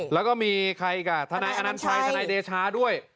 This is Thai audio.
แล้วก็มีธนัยอนันชัยธนัยเดช้าด้วย